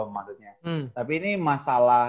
maksudnya tapi ini masalah